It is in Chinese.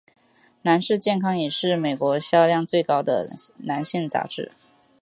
男士健康也是美国销量最高的男性杂志。